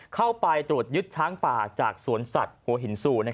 เข้าไปตรวจยึดช้างป่าจากสวนสัตว์หัวหินซู